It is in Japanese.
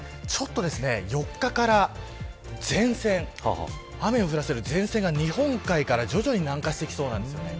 ４日から前線雨を降らせる前線が、日本海から徐々に南下してきそうなんです。